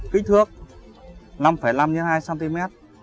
kích thước năm năm hai cm